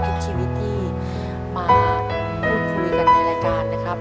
ทุกชีวิตที่มาพูดคุยกันในรายการนะครับ